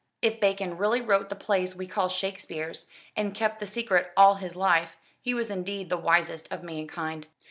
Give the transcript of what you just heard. If Bacon really wrote the plays we call Shakespeare's, and kept the secret all his life, he was indeed the wisest of mankind."